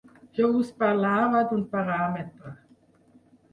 Jo us parlava d’un paràmetre.